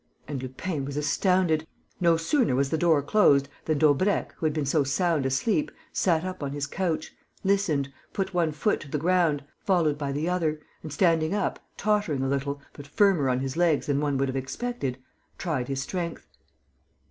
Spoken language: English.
And Lupin was astounded. No sooner was the door closed than Daubrecq, who had been so sound asleep, sat up on his couch, listened, put one foot to the ground, followed by the other, and, standing up, tottering a little, but firmer on his legs than one would have expected, tried his strength.